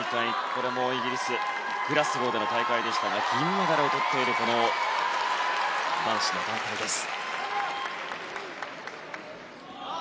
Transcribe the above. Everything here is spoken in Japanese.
これもイギリスのグラスゴーでの大会でしたが銀メダルをとっている男子団体です。